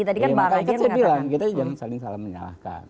saya bilang kita jangan saling salah menyalahkan